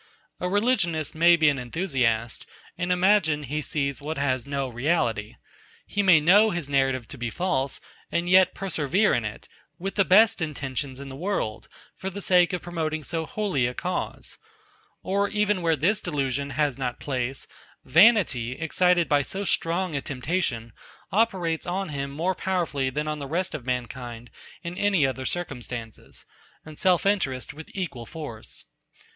A religionist may be an enthusiast, and imagine he sees what has no reality: he may know his narrative to be false, and yet persevere in it, with the best intentions in the world, for the sake of promoting so holy a cause: or even where this delusion has not place, vanity, excited by so strong a temptation, operates on him more powerfully than on the rest of mankind in any other circumstances; and self interest with equal force.